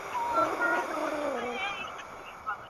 梭形坚体吸虫为棘口科坚体属的动物。